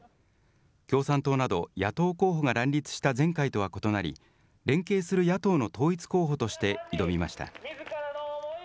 共産党など、野党候補が乱立した前回とは異なり、連携する野党の統一候補として、挑みました。